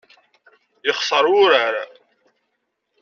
Yexṣeṛ wurar!